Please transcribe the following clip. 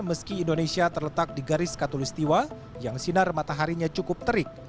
meski indonesia terletak di garis katolistiwa yang sinar mataharinya cukup terik